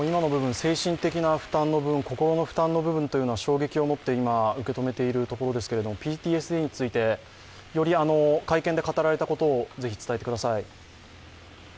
精神的な負担の部分、心の負担の部分は衝撃を持って受け取っていますけれどもＰＴＳＤについて、会見で語られたことをぜひ伝えてください。